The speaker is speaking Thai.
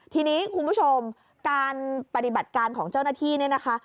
ทีนี้คุณผู้ชมการปฏิบัติการของเจ้าหน้าที่เนี่ยนะคะ